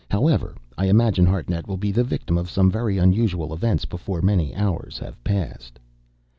However, I imagine Hartnett will be the victim of some very unusual events before many hours have passed!"